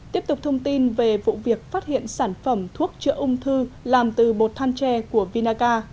tiếp tục thông tin về vụ việc phát hiện sản phẩm thuốc chữa ung thư làm từ bột than tre của vinaca